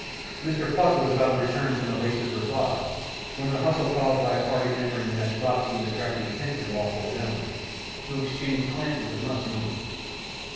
Mr. Pluck was about to return some evasive reply, when the hustle caused by a party entering the next box seemed to attract the attention of all four gentlemen, who exchanged glances of much meaning.